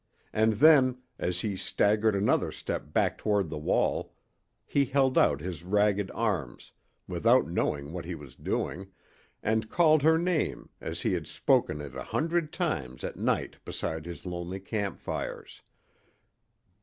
And then, as he staggered another step back toward the wall, he held out his ragged arms, without knowing what he was doing, and called her name as he had spoken it a hundred times at night beside his lonely campfires.